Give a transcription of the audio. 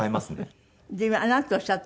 で今なんておっしゃったの？